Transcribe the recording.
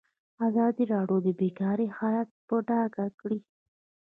ازادي راډیو د بیکاري حالت په ډاګه کړی.